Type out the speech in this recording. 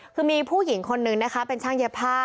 คือมีผู้หญิงคนนึงนะคะเป็นช่างเย็บผ้า